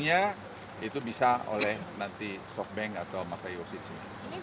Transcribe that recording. penghitungnya itu bisa oleh nanti softbank atau masayoshi